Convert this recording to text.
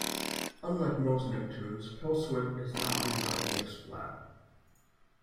Unlike most Nicktoons, "Pelswick" is not rerun on NickSplat.